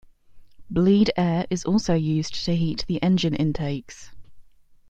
Bleed air is also used to heat the engine intakes.